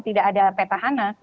tidak ada peta hana